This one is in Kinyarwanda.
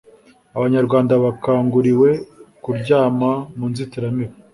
abanyarwanda bakanguriwe kuryama mu nzitiramibu